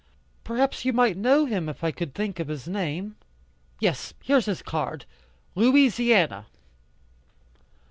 Perhaps you might know him if I could think of his name. Yes, here's his card Louisiana."